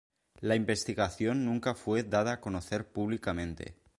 La investigación nunca fue dada a conocer públicamente.